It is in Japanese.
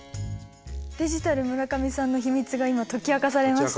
デジタル村上さんの秘密が今解き明かされましたね。